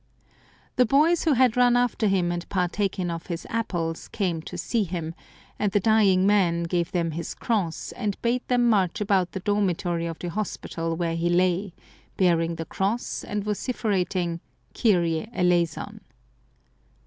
The boys who had run after him and partaken of his apples came to see him, and the dying man gave them his cross, and bade them march about the dormitory of the hospital where he lay, bearing the cross, and vociferating, " Kyrie eleison